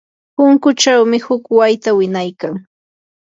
punkuchawmi huk wayta winaykan.